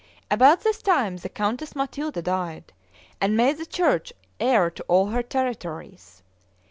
About this time, the Countess Matilda died, and made the church heir to all her territories.